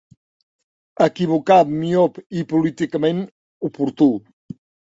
Equivocat, miop i políticament oportú.